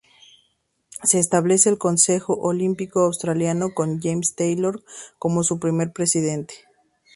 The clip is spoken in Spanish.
Se establece el Consejo Olímpico Australiano con James Taylor como su primer presidente.